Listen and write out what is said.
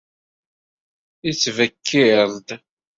Yettbekkiṛ-d.